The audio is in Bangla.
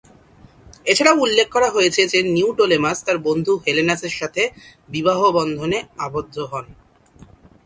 এছাড়াও উল্লেখ করা হয়েছে যে নিওটোলেমাস তার বন্ধু হেলেনাসের সাথে বিবাহ বন্ধনে আবদ্ধ হন।